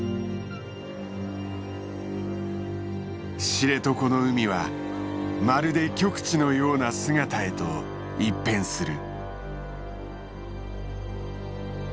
知床の海はまるで極地のような姿へと一変する。